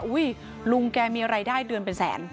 อุ้ยลุงแกมีอะไรได้เดือนเป็นแสน